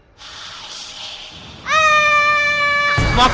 hah kali mana sih